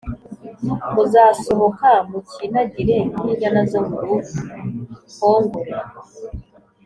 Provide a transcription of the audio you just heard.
muzasohoka mukinagire nk inyana zo muru hongore